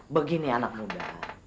begini anak muda